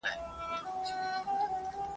زړه ته نیژدې دی او زوی د تره دی ..